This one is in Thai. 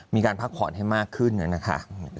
มีการพักผ่อนให้มากขึ้นนะคะ